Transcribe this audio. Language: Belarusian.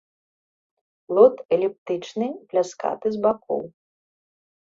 Плод эліптычны, пляскаты з бакоў.